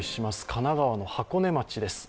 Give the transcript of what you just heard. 神奈川の箱根町です。